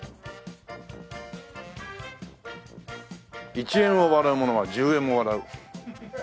「一円を笑うものは十円も笑う」